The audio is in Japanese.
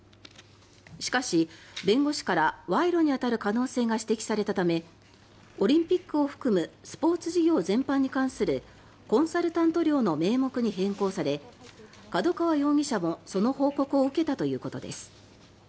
しかし、弁護士から賄賂に当たる可能性が指摘されたためオリンピックを含むスポーツ事業全般に関するコンサルタント料の名目に変更され角川容疑者もその報告を受けたということです。